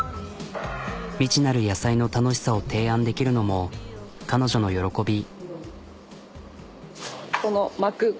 未知なる野菜の楽しさを提案できるのも彼女の喜び。